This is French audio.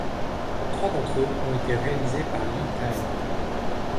Trois d'entre eux ont été réalisés par Li Tie.